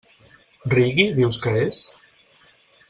Reggae, dius que és?